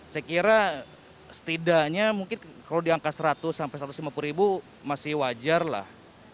saya kira setidaknya mungkin kalau di angka seratus sampai satu ratus lima puluh ribu masih wajar lah